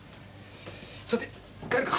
さて帰るか。